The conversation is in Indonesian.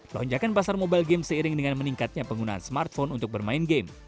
lonjakan pasar mobile game seiring dengan meningkatnya penggunaan smartphone untuk bermain game